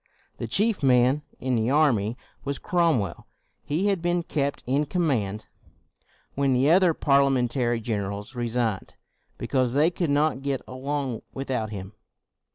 The chief man in the army was Cromwell. He had been kept in command when the other Parliamentary generals resigned, because they could not get along without him.